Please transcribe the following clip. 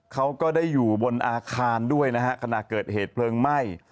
เขาก็ได้อยู่บนอาคารด้วยนะฮะขณะเกิดเหตุเพลิงไหม้